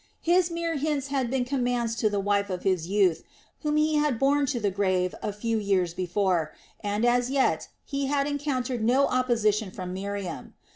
His mere hints had been commands to the wife of his youth whom he had borne to the grave a few years before, and as yet he had encountered no opposition from Miriam.